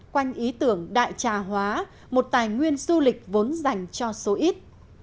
quanh ý tưởng đại trà hóa một tài nguyên du lịch vốn dành cho số ít